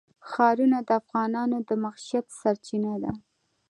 ښارونه د افغانانو د معیشت سرچینه ده.